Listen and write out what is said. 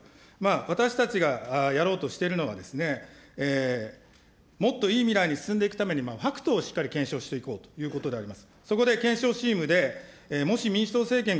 私たちがやろうとしているのは、もっといい未来に進んでいくために、をしっかり検証していこうという話であります。